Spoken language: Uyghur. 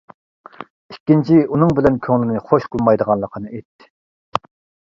ئىككىنچى ئۇنىڭ بىلەن كۆڭلىنى خۇش قىلمايدىغانلىقىنى ئېيتتى.